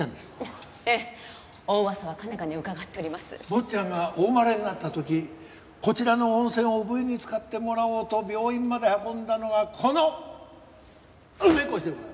坊ちゃんがお生まれになった時こちらの温泉を産湯に使ってもらおうと病院まで運んだのがこの梅越でございます！